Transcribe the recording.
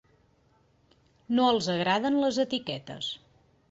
No els agraden les etiquetes.